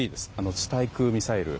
地対空ミサイル。